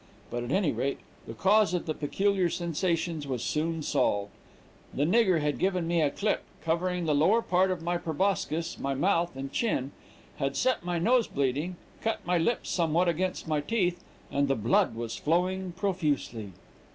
But at any rate the cause of the peculiar sensations was soon solved. The nigger had given me a clip, covering the lower part of my proboscis, my mouth, and chin, had set my nose bleeding, and cut my lips somewhat against my teeth, and the blood was flowing profusely.